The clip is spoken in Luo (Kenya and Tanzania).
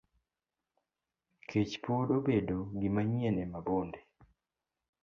Kech pok obedo gimanyien e Mabonde.